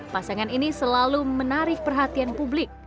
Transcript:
pasangan ini selalu menarik perhatian publik